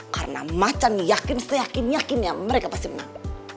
karena macem yakin seyakin yakinnya mereka pasti menang